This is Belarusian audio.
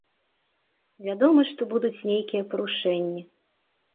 Вядома, што будуць нейкія парушэнні.